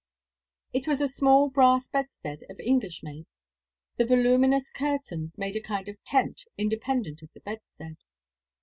It was a small brass bedstead of English make. The voluminous curtains made a kind of tent, independent of the bedstead.